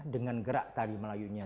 dengan gerak tari melayunya